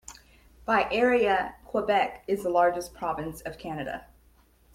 By area, Quebec is the largest province of Canada.